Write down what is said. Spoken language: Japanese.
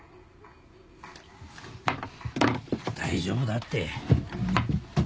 大丈夫だって。